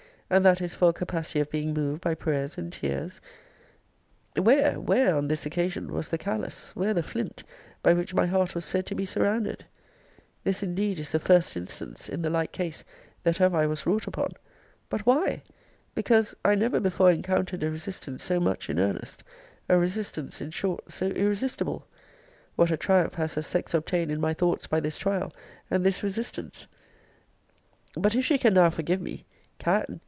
and that is for a capacity of being moved by prayers and tears Where, where, on this occasion, was the callous, where the flint, by which my heart was said to be surrounded? This, indeed, is the first instance, in the like case, that ever I was wrought upon. But why? because, I never before encountered a resistance so much in earnest: a resistance, in short, so irresistible. What a triumph has her sex obtained in my thoughts by this trial, and this resistance? But if she can now forgive me can!